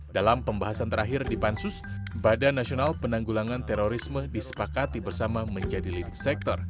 dalam pembahasan terakhir di pansus badan nasional penanggulangan terorisme disepakati bersama menjadi leading sector